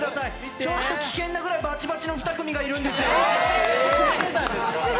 ちょっと危険なくらいばちばちの２組がいるんですよ。